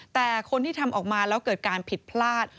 แต่คนที่ทำออกมาแล้วเกิดการผิดพลาด